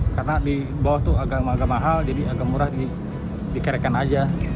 karena di bawah agak mahal jadi agak murah dikerekkan saja